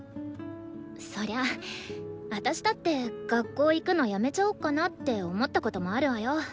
そりゃ私だって学校行くのやめちゃおっかなって思ったこともあるわよ。